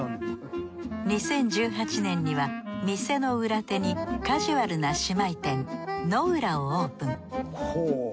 ２０１８年には店の裏手にカジュアルな姉妹店ｎｏｕｒａをオープン。